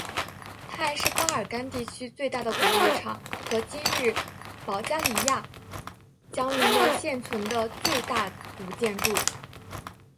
它还是巴尔干地区最大的古浴场和今日保加利亚疆域内现存的最大古建筑。